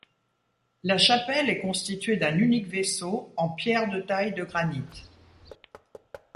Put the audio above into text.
La chapelle est constituée d'un unique vaisseau en pierres de taille de granite.